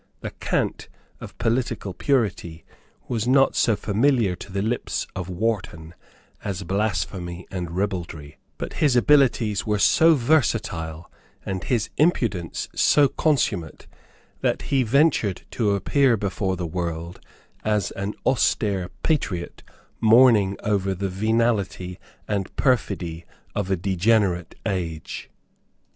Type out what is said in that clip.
The cant of political purity was not so familiar to the lips of Wharton as blasphemy and ribaldry; but his abilities were so versatile, and his impudence so consummate, that he ventured to appear before the world as an austere patriot mourning over the venality and perfidy of a degenerate age.